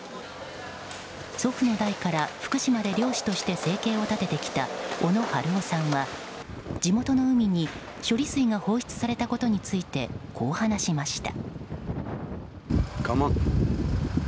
祖父の代から福島で漁師として生計を立ててきた小野春雄さんは地元の海に処理水が放出されたことについてこう話しました。